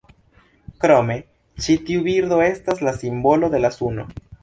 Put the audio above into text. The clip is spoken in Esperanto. Krome, ĉi tiu birdo estas la simbolo de la suno.